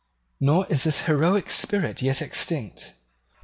Nor is this heroic spirit yet extinct.